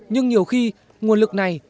nhưng nhiều khi nguồn lực này